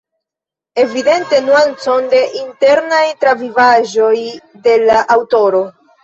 Evidente, nuancon de internaj travivaĵoj de la aŭtoro.